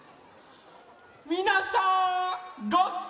みなさんごっき？